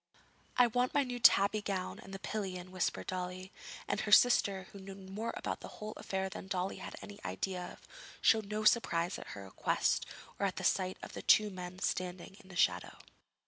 'I want my new tabby gown and the pillion,' whispered Dolly; and her sister, who knew more about the whole affair than Dolly had any idea of, showed no surprise at her request or at the sight of the two men standing in the shadow.